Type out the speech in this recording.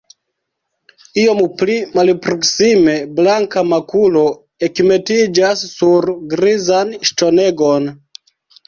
Iom pli malproksime, blanka makulo ekmetiĝas sur grizan ŝtonegon.